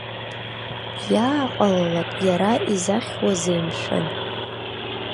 Иааҟалалак иара изахьуазеи, мшәан?!